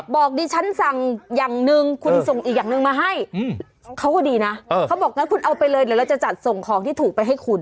บอกดิฉันสั่งอย่างหนึ่งคุณส่งอีกอย่างหนึ่งมาให้เขาก็ดีนะเขาบอกงั้นคุณเอาไปเลยเดี๋ยวเราจะจัดส่งของที่ถูกไปให้คุณ